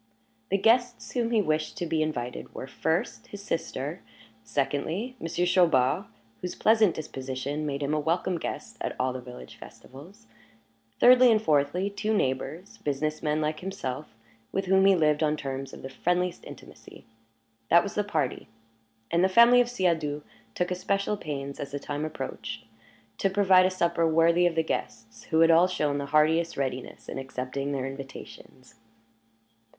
The guests whom he wished to be invited were, first, his sister; secondly, Monsieur Chaubard, whose pleasant disposition made him a welcome guest at all the village festivals; thirdly and fourthly, two neighbors, business men like himself, with whom he lived on terms of the friendliest intimacy. That was the party; and the family of Siadoux took especial pains, as the time approached, to provide a supper worthy of the guests, who had all shown the heartiest readiness in accepting their invitations.